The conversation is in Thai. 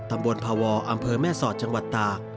ตำบลภาวอำเภอแม่สอดจังหวัดตาก